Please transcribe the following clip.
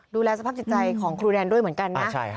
ดูแลสภาพจิตใจของครูแดนด้วยเหมือนกันนะ